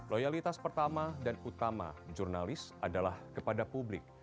loyalitas pertama dan utama jurnalis adalah kepada publik